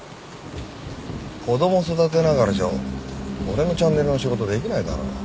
子供育てながらじゃ俺のチャンネルの仕事できないだろ。